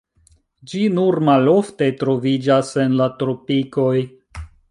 Ĝi nur malofte troviĝas en la tropikoj.